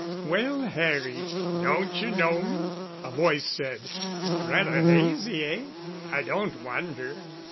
"Well, Harry, don't you know me?" a voice said. "Rather hazy, eh? I don't wonder...."